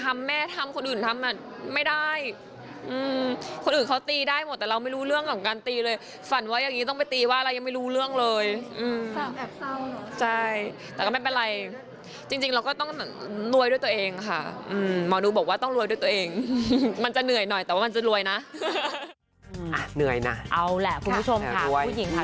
ไม่ได้อืมคนอื่นเขาตีได้หมดแต่เราไม่รู้เรื่องของการตีเลยฝันว่าอย่างงี้ต้องไปตีว่าอะไรยังไม่รู้เรื่องเลยอืมอืมอืมอืมอืมอืมอืมอืมอืมอืมอืมอืมอืมอืมอืมอืมอืมอืมอืมอืมอืมอืมอืมอืมอืมอืมอืมอืมอืมอืมอืมอืมอืมอืมอืมอืมอืมอ